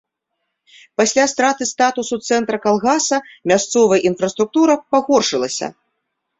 Пасля страты статусу цэнтра калгаса мясцовая інфраструктура пагоршылася.